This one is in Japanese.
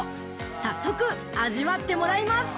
早速味わってもらいます。